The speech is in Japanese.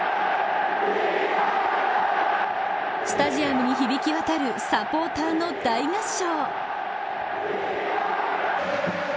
スタジアムに響き渡るサポーターの大合唱。